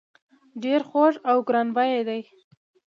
ډیر خوږ او ګران بیه دي.